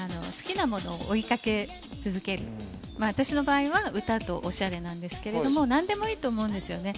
好きなものを追いかけ続ける、私の場合は歌とおしゃれなんですけど、何でもいいと思うんですね。